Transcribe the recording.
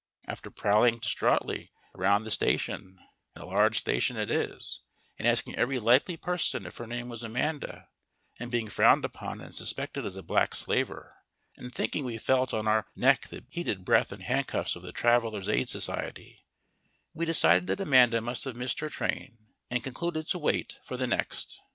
After prowling distraitly round the station (and a large station it is) and asking every likely person if her name was Amanda, and being frowned upon and suspected as a black slaver, and thinking we felt on our neck the heated breath and handcuffs of the Travellers' Aid Society, we decided that Amanda must have missed her train and concluded to wait for the next.